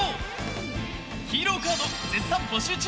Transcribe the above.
ヒーローカード絶賛募集中！